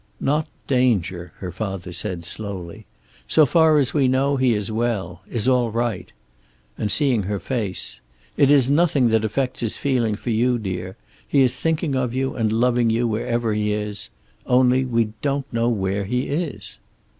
"Not danger," her father said, slowly. "So far as we know, he is well. Is all right." And seeing her face: "It is nothing that affects his feeling for you, dear. He is thinking of you and loving you, wherever he is. Only, we don't know where he is."